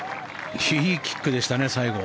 いいキックでしたね最後。